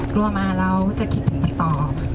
รวมมาเราจะคิดถึงพี่ปอล์